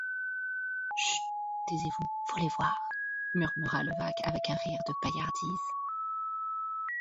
Chut ! taisez-vous, faut les voir ! murmura Levaque, avec un rire de paillardise.